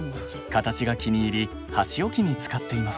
形が気に入り箸置きに使っています。